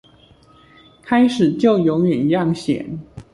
開始就永遠一樣鹹